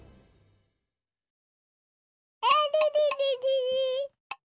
あれれれれれ。